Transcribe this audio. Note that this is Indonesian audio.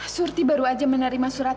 surti baru aja menerima surat